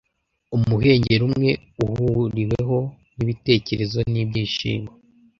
Umuhengeri umwe uhuriweho n'ibitekerezo n'ibyishimo